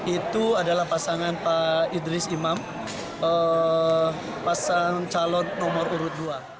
itu adalah pasangan pak idris imam pasangan calon nomor urut dua